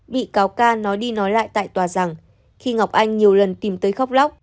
bị cáo ca nói đi nói lại tại tòa rằng khi ngọc anh nhiều lần tìm tới khóc lóc